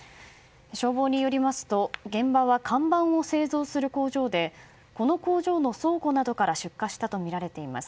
消防によりますと現場は看板を製造する工場でこの工場の倉庫などから出火したとみられています。